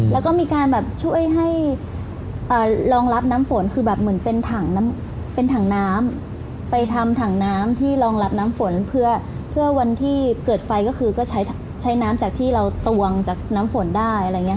แล้วก็มีการช่วยให้รองรับน้ำฝนคือเหมือนเป็นถังน้ำไปทำถังน้ำที่รองรับน้ำฝนเพื่อวันที่เกิดไฟคือก็ใช้น้ำที่เราตวงจากน้ำฝนได้